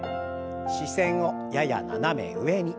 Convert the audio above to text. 視線をやや斜め上に。